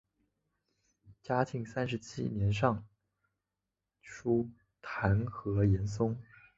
嘉靖三十七年上疏弹劾严嵩。